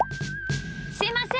すいません！